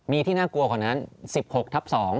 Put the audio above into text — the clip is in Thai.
มีที่น่ากลัวกว่านั้น๑๖ทับ๒